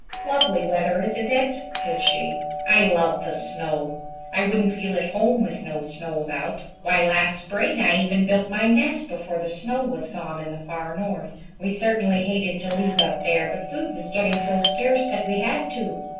"Lovely weather, isn't it?" said she. "I love the snow. I wouldn't feel at home with no snow about. Why, last spring I even built my nest before the snow was gone in the Far North. We certainly hated to leave up there, but food was getting so scarce that we had to.